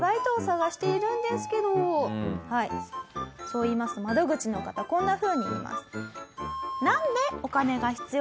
そう言いますと窓口の方こんなふうに言います。